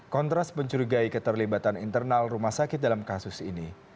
kontras mencurigai keterlibatan internal rumah sakit dalam kasus ini